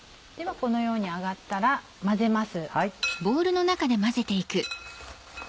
このように揚がったら混ぜます。